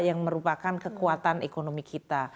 yang merupakan kekuatan ekonomi kita